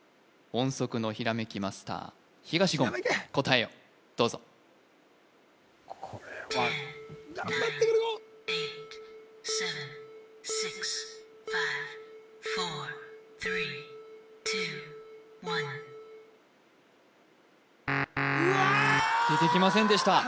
音速のひらめきマスター東言答えをどうぞ頑張ってくれ言っ出てきませんでした